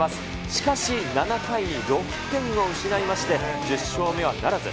しかし、７回に６点を失いまして、１０勝目はならず。